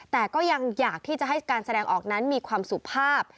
แต่ก็ยังอยากที่จะให้การแสดงออกนั้นมีความสุภาพ